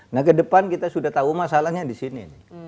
nah ke depan kita sudah tahu masalahnya di sini